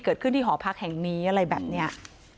เกิดขึ้นที่หอพักแห่งนี้อะไรแบบนี้